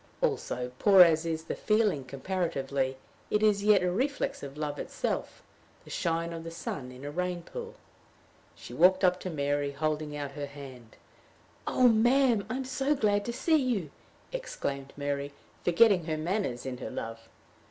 Also, poor as is the feeling comparatively, it is yet a reflex of love itself the shine of the sun in a rain pool. She walked up to Mary, holding out her hand. "O ma'am, I am so glad to see you!" exclaimed Mary, forgetting her manners in her love.